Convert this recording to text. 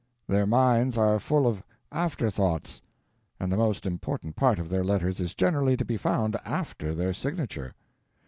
Their minds are full of after thoughts, and the most important part of their letters is generally to be found after their signature.